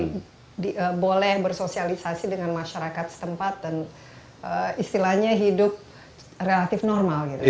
jadi boleh bersosialisasi dengan masyarakat setempat dan istilahnya hidup relatif normal gitu kan